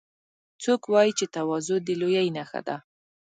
څوک وایي چې تواضع د لویۍ نښه ده